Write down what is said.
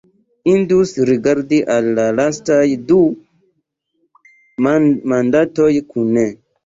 Indus rigardi al la lastaj du mandatoj kune.